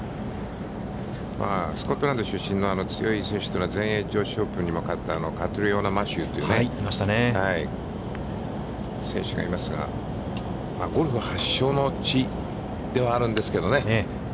スコットランド出身の強い選手というのは全英女子オープンに、マシューというね、選手がいますが、ゴルフ発祥の地ではあるんですけれどもね。